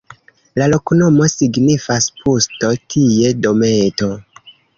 La loknomo signifas: pusto-tie-dometo.